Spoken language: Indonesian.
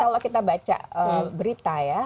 kalau kita baca berita ya